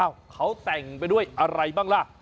เขาแต่งไปด้วยอะไรบ้างล่ะ